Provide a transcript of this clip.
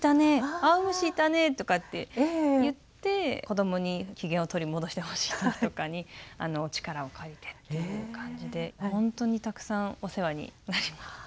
あおむしいたね」とかって言って子どもに機嫌を取り戻してほしい時とかに力を借りてっていう感じで本当にたくさんお世話になります。